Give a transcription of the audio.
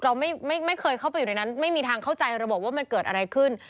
เราไม่เคยเข้าไปอยู่ในนั้นไม่มีทางเข้าใจระบบว่ามันเกิดอะไรขึ้น